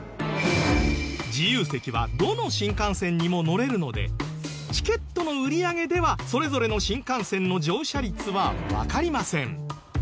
自由席はどの新幹線にも乗れるのでチケットの売り上げではそれぞれの新幹線の乗車率はわかりません。